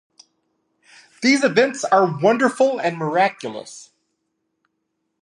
These events are wonderful and miraculous.